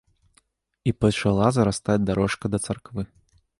І пачала зарастаць дарожка да царквы.